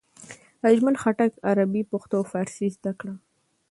اجمل خټک عربي، پښتو او فارسي زده کړه.